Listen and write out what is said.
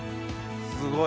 すごい！